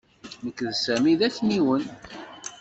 Nekk d Sami d akniwen.